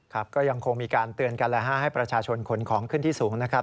ครับก็ยังคงมีการเตือนกันแหละฮะให้ประชาชนขนของขึ้นที่สูงนะครับ